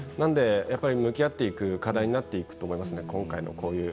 やっぱり向き合っていく課題になっていくと思いますね。